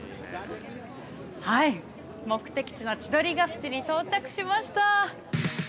はい、目的地は千鳥ヶ淵に到着しました。